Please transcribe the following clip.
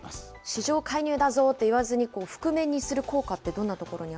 市場介入だぞと言わずに覆面にする効果ってどんなところに